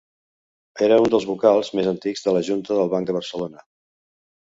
Era un dels vocals més antics de la Junta del Banc de Barcelona.